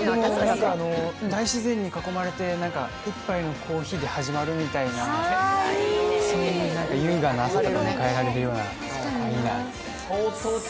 大自然に囲まれて１杯のコーヒーで始まるみたいな、そういう優雅な老後を迎えられたらいいなと。